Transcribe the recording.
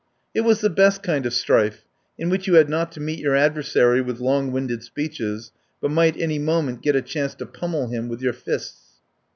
It was the best kind of strife, in which you had not to meet your adversary with long winded speeches but might any moment get a chance to pummel him with your fists.